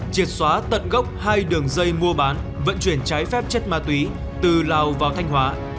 triệt xóa tận gốc hai đường dây mua bán vận chuyển trái phép chất ma túy từ lào vào thanh hóa